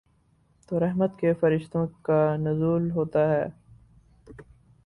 تو رحمت کے فرشتوں کا نزول ہوتا ہے۔